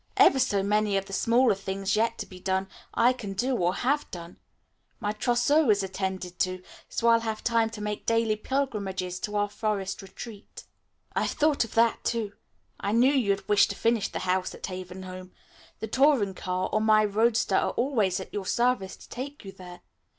Ever so many of the smaller things yet to be done, I can do or have done. My trousseau is attended to, so I'll have time to make daily pilgrimages to our forest retreat." "I've thought of all that, too. I knew you'd wish to finish the work at Haven Home. The touring car or my roadster are always at your service to take you there.